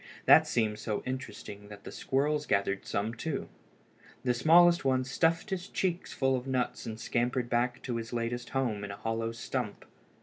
That seemed so interesting that the squirrels gathered some too. The smallest one stuffed his cheeks full of nuts and scampered back to his latest home in a hollow stump.